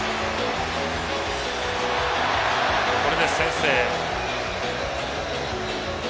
これで先制。